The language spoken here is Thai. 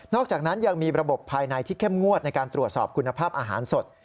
อกจากนั้นยังมีระบบภายในที่เข้มงวดในการตรวจสอบคุณภาพอาหารสด